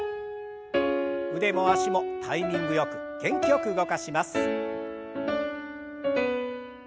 腕も脚もタイミングよく元気よく動かします。